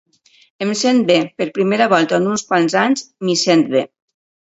Em sent bé, per primera volta en uns quants anys, m'hi sent bé.